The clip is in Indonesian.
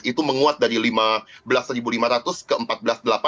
itu menguat dari rp lima belas lima ratus ke empat belas delapan ratus